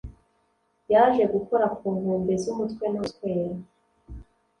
yaje gukora ku nkombe z'umutwe no guswera